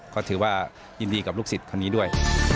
ก็ถือว่ายินดีกับลูกศิษย์คนนี้ด้วย